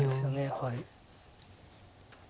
はい。